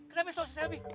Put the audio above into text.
kenapa soh selby